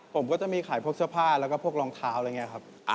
ผมก็จะมีขายพวกเสื้อผ้าแล้วก็พวกรองเท้าอะไรอย่างนี้ครับ